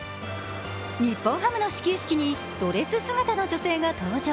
日本ハムの始球式にドレス姿の女性が登場。